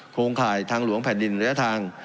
โครงข่ายทางหลวงแผ่นดินระยะทาง